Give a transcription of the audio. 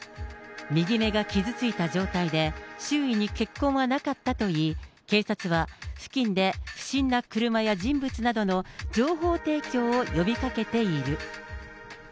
右目が傷ついた状態で、周囲に血痕はなかったといい、警察は付近で不審な車や人物などの情報提供を呼びかけている。